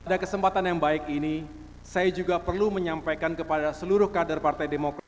pada kesempatan yang baik ini saya juga perlu menyampaikan kepada seluruh kader partai demokrat